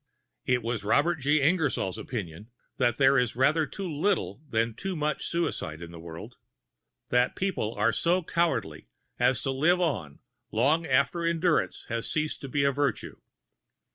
It was Robert G. Ingersoll's opinion that there is rather too little than too much suicide in the world that people are so cowardly as to live on long after endurance has ceased to be a virtue.